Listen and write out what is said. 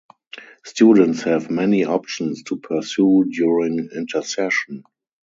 Students have many options to pursue during intersession.